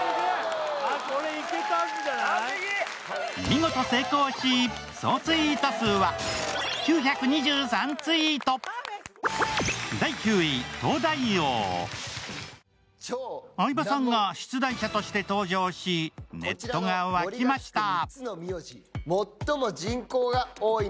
見事、成功し相葉さんが出題者として登場しネットが沸きました。